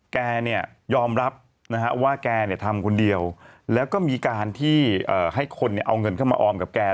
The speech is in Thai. แกเนี่ยยอมรับนะฮะว่าแกเนี่ยทำคนเดียวแล้วก็มีการที่ให้คนเอาเงินเข้ามาออมกับแก